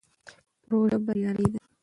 پروژه بریالۍ ده.